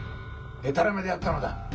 ・でたらめであったのだ。